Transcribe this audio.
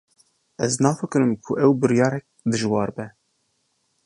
Ez nafikirim ku ew biryarek dijwar be.